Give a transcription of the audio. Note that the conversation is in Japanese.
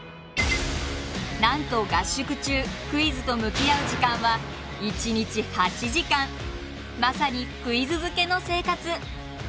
なんと合宿中クイズと向き合う時間はまさにクイズ漬けの生活。